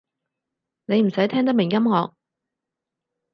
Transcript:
你唔使聽得明音樂